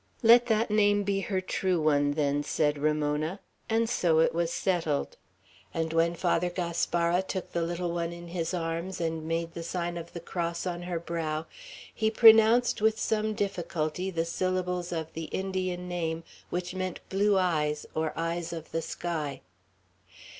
"Let that name be her true one, then," said Ramona. And so it was settled; and when Father Gaspara took the little one in his arms, and made the sign of the cross on her brow, he pronounced with some difficulty the syllables of the Indian name, which meant "Blue Eyes," or "Eyes of the Sky."